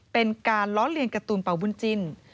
เป็นการล้อเลียนการ์ตูนเป่าบุญจิ้น